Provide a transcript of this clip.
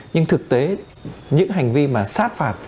nhưng thực tế những hành vi mà sát phạt